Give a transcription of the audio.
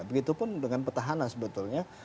begitupun dengan petahana sebetulnya